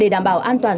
để đảm bảo an toàn